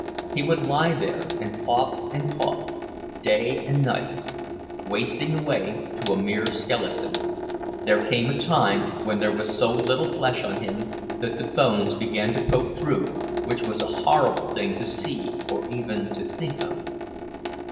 He would lie there and cough and cough, day and night, wasting away to a mere skeleton. There came a time when there was so little flesh on him that the bones began to poke through—which was a horrible thing to see or even to think of.